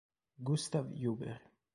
Gustav Huber